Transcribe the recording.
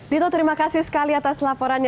dito terima kasih sekali atas laporannya